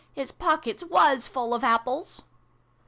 His pockets was full of apples